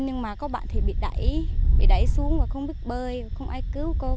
nhưng mà có bạn thì bị đẩy bị đẩy xuống và không biết bơi không ai cứu cô